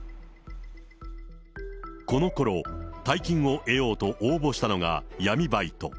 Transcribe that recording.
このころ、大金を得ようと応募したのが闇バイト。